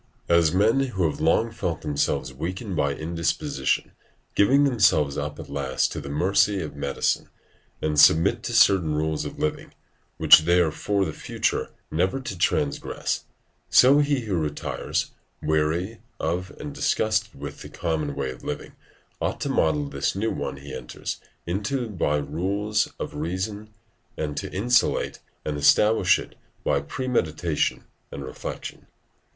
As men who have long felt themselves weakened by indisposition, give themselves up at last to the mercy of medicine and submit to certain rules of living, which they are for the future never to transgress; so he who retires, weary of and disgusted with the common way of living, ought to model this new one he enters into by the rules of reason, and to institute and establish it by premeditation and reflection.